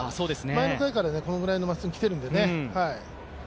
前の回からこのぐらいのまっすぐ来てるんでね。